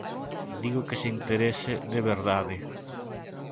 Digo que se interese de verdade.